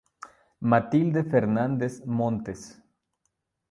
Matilde Fernández Montes.